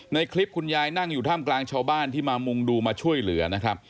ในคลิปคุณยายนั่งอยู่ท่ามกลางชาวบ้านที่มามุงดูมาช่วยเหลือนะครับ